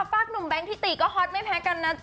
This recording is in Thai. ฟากหนุ่มแบงค์ที่ตีก็ฮอตไม่แพ้กันนะ